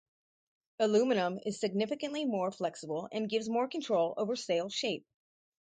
Aluminum is significantly more flexible and gives more control over sail shape.